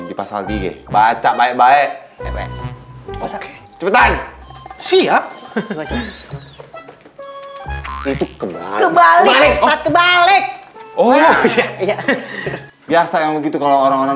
di pasal tiga baca baik baik masak cepetan siap itu kebal balik kebalik oh iya biasa yang begitu kalau orang orang